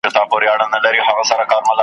خدای په خپل قلم یم په ازل کي نازولی .